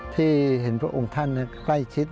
ที่เห็นพระองค์ท่านใกล้ชิด